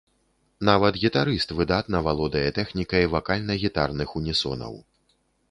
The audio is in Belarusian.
Нават гітарыст выдатна валодае тэхнікай вакальна-гітарных унісонаў.